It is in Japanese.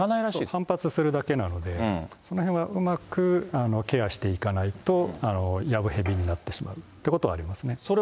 反発するだけなので、そのへんはうまくケアしていかないと、やぶへびになってしまうということがありますね。